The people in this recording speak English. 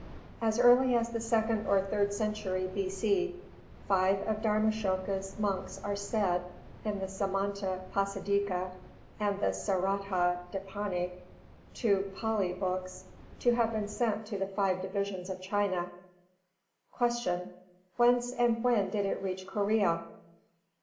As early as the second or third century B.C. Five of Dharmāshoka's monks are said in the Samanta Pasādika and the Sārattha Dīpanī two Pālī books to have been sent to the five divisions of China. 307. Q. _Whence and when did it reach Korea?